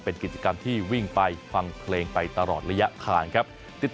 เป็นกิจกรรมที่วิ่งไปฟังเพลงไปตลอดระยะทางครับ